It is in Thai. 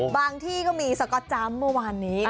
ที่ก็มีสก๊อตจำเมื่อวานนี้